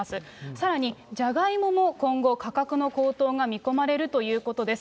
さらにじゃがいもも今後、価格の高騰が見込まれるということです。